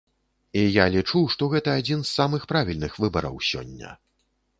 І я лічу, што гэта адзін з самых правільных выбараў сёння.